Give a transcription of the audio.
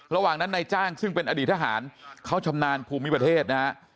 ระหว่างนั้นนายจ้างซึ่งเป็นอดีตทหารเขาชำนาญภูมิประเทศนะฮะ